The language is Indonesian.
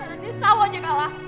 nadia salah aja kalah